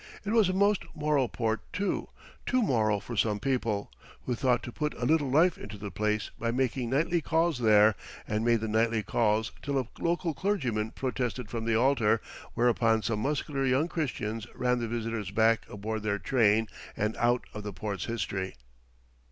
It was a most moral port, too; too moral for some people, who thought to put a little life into the place by making nightly calls there, and made the nightly calls till a local clergyman protested from the altar, whereupon some muscular young Christians ran the visitors back aboard their train and out of the port's history.